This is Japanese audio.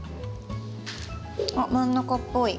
あっ真ん中っぽい。